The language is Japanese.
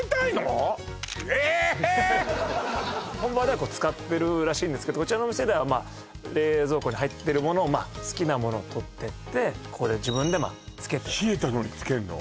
本場では漬かってるらしいんですけどこちらのお店では冷蔵庫に入ってるものを好きなものを取ってってここで自分でまあ漬けて冷えたのに漬けんの？